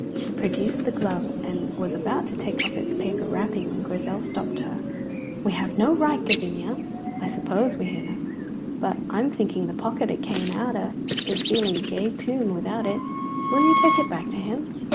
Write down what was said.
She produced the glove, and was about to take off its paper wrapping when Grizel stopped her. "We have no right, Gavinia." "I suppose we hinna, and I'm thinking the pocket it came out o' is feeling gey toom without it. Will you take it back to him?"